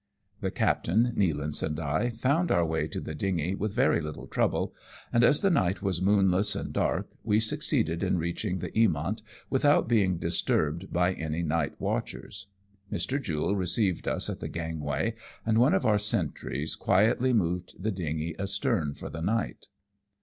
The captain, Nealance, and I found our way to the dingy with very little trouble, and as the night was moonless and dark we succeeded in reaching the Eamont without being disturbed by any night watchers. Mr. Jule received us at the gangway, and one of our sentries quietly moved the dingy astern for the night.